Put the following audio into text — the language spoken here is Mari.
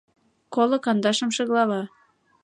Коло кандашымше глава